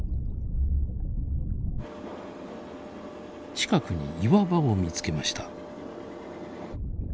近くに岩場を見つけました。